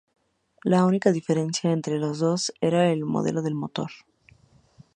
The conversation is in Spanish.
La única diferencia entre los dos era el modelo de motor.